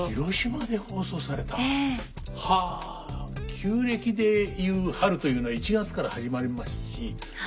旧暦でいう春というのは１月から始まりますしま